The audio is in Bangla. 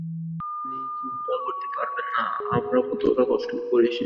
আর আপনি চিন্তাও করতে পারবেন না আমরা কতটা কষ্ট করে এসেছি।